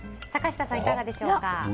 坂下さん、いかがでしょうか。